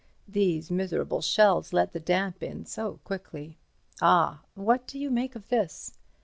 These miserable shells let the damp in so quickly. Ah! what do you make of this?